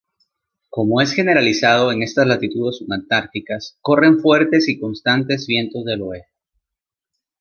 Como es generalizado en estas latitudes subantárticas, corren fuertes y constantes vientos del oeste.